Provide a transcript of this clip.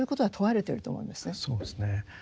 そうですね。